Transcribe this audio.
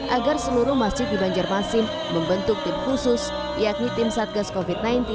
agar seluruh masjid di banjarmasin membentuk tim khusus yakni tim satgas covid sembilan belas